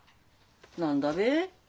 何だべ？